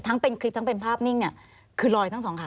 ทั้งเป็นคลิปทั้งเป็นภาพนิ่งเนี่ยคือลอยทั้งสองคัน